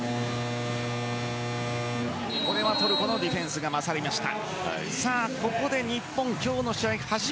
これはトルコのディフェンスが勝りました。